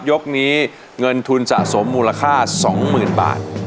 ยกนี้เงินทุนสะสมมูลค่า๒๐๐๐บาท